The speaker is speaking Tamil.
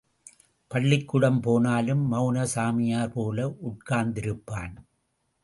பள்ளிக்கூடம் போனாலும், மெளனசாமியார் போல உட்கார்ந்திருப்பான்.